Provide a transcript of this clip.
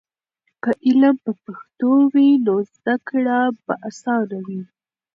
که علم په پښتو وي نو زده کړه به آسانه وي.